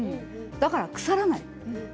だから腐らないんです。